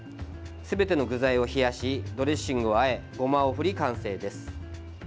すべての具材を冷やしドレッシングをあえゴマを振り、完成です。